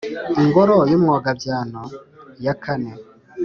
Ingoro y’Umwogabyano! Ya kane